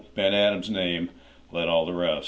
Ben Adhem's name led all the res